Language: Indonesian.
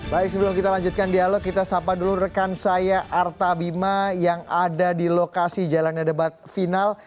baik sebelum kita lanjutkan dialog kita sapa dulu rekan saya arta bima yang ada di lokasi jalannya debat final